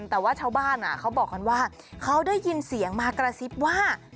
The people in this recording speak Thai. แต่ว่าชาวบ้านเขาบอกกันว่าเขาได้ยินเสียงมากระซิบว่า